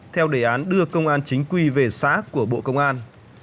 theo đề án đưa công an chính quy về xã của bộ công an